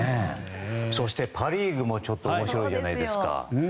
そしてパ・リーグも面白いじゃないですか。